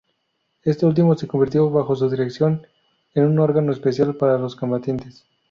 Este último se convirtió, bajo su dirección, en un órgano especial para los combatientes.